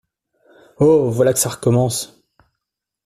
Oh ! voilà que ça recommence !